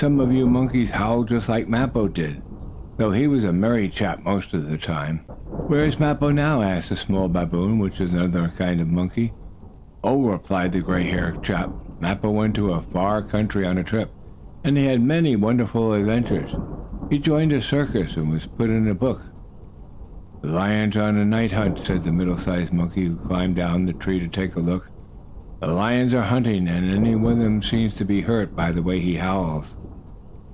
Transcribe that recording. Some of you monkeys howl just like Mappo did, though he was a merry chap most of the time." "Where is Mappo now?" asked a small baboon, which is another kind of monkey. "Oh," replied the gray haired chap, "Mappo went to a far country on a trip, and had many wonderful adventures. He joined a circus, and was put in a book." "The lions are on a night hunt," said a middle sized monkey, who climbed down a tree to take a look. "The lions are hunting, and one of them seems to be hurt, by the way he howls."